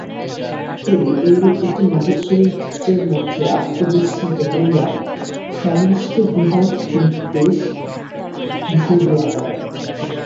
তিনি এইরূপ একটি মহৎ চরিত্রের মধ্যে আত্মবিস্মৃত হইয়া সমস্ত বিবাদ বিদ্বেষ ভুলিয়া গেলেন।